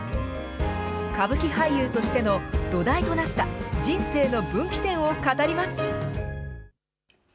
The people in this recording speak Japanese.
歌舞伎俳優としての土台となった人生の分岐点を語ります。